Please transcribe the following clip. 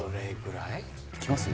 いきます？